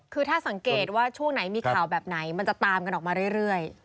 คือถ้าสังเกตว่าช่วงไหนมีข่าวแบบไหนมันจะตามกันออกมาเรื่อย